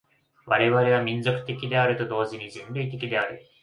我々は民族的であると同時に人類的である。